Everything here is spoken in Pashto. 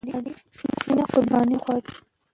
مینه قربانی غواړي.